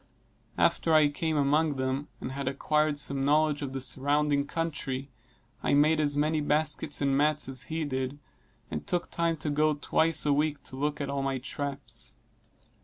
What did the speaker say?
After I came among them and had acquired some knowledge of the surrounding country, I made as many baskets and mats as he did, and took time to go twice a week to look at all my traps.